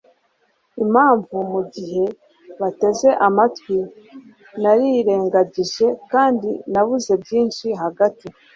impamvu mugihe bateze amatwi narirengagije kandi nabuze byinshi hagati